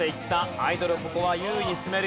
アイドルここは優位に進める。